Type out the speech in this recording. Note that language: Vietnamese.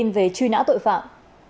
thông tin về truy nã tội phạm